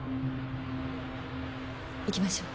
行きましょう。